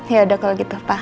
yaudah kalau gitu pa